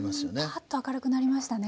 パーッと明るくなりましたね。